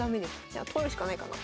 じゃあ取るしかないかな。